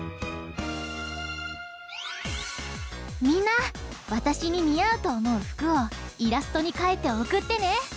みんなわたしににあうとおもうふくをイラストにかいておくってね！